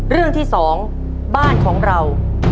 เรื่องที่๒บ้านของเรา